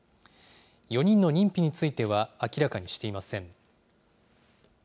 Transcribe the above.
４人の認否については、明らかにしていません。